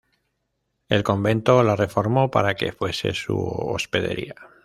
El convento la reformó para que fuese su hospedería.